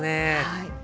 はい。